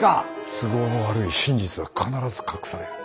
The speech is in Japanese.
都合の悪い真実は必ず隠される。